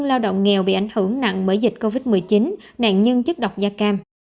lao động nghèo bị ảnh hưởng nặng bởi dịch covid một mươi chín nạn nhân chất độc da cam